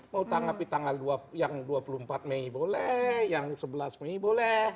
mau tanggapi tanggal yang dua puluh empat mei boleh yang sebelas mei boleh